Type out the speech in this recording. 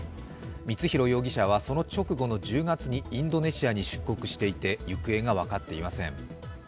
光弘容疑者はその直後の１０月にインドネシアに出国していて行方が分かっていません。